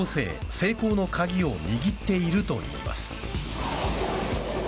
成功の鍵を握っているといいます。